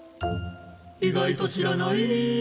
「意外と知らない」